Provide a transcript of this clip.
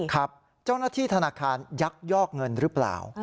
ครับเจ้าหน้าที่ธนาคารยักยอกเงินหรือเปล่า